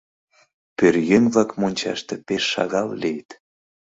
Пӧръеҥ-влак мончаште пеш шагал лийыт.